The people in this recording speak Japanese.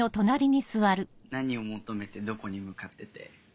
何を求めてどこに向かってて。